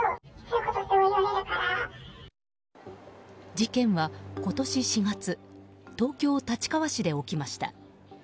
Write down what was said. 事件は今年４月東京・立川市で起きました。